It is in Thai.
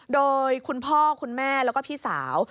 โดยคุณพ่อคุณแม่แล้วก็พี่สาว